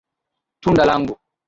Tunda langu.